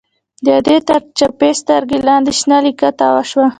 د ادې تر چپې سترگې لاندې شنه ليکه تاوه وه.